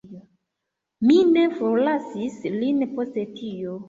Mi ne forlasis lin post tio.